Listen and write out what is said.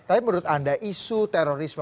tapi menurut anda isu terorisme